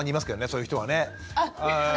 そういう人はね。